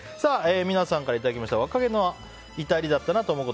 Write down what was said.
皆さんからいただいた若気の至りだったなぁと思うこと。